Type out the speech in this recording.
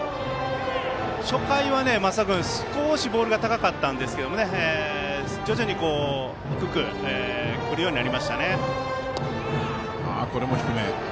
初回は増田君少しボールが高かったんですけど徐々に、低くくるようになりましたね。